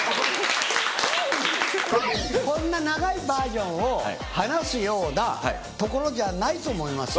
こんな長いバージョンを話すようなところじゃないと思いますよ。